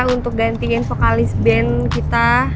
untuk gantiin vokalis band kita